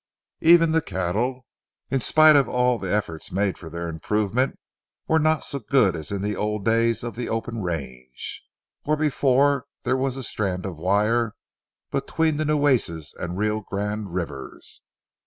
Even the cattle, in spite of all the efforts made for their improvement, were not so good as in the old days of the open range, or before there was a strand of wire between the Nueces and Rio Grande rivers.